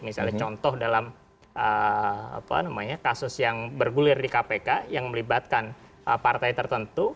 misalnya contoh dalam kasus yang bergulir di kpk yang melibatkan partai tertentu